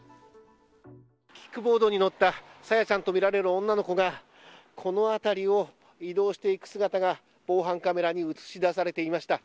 キックボードに乗った朝芽さんとみられる女の子がこの辺りを移動していく姿が防犯カメラに映し出されていました。